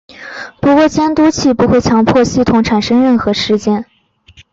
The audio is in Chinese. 不过监督器不会强迫系统产生事件。